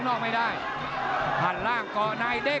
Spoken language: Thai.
แล้วทีมงานน่าสื่อ